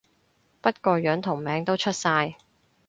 不過樣同名都出晒